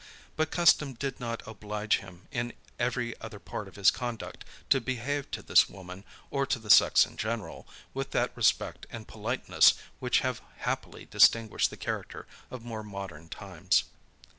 But custom did not oblige him, in every other part of his conduct, to behave to this woman, or to the sex in general, with that respect and politeness which have happily distinguished the character of more modern times.